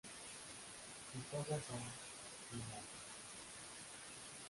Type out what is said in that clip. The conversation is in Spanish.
Sus hojas son pinnadas.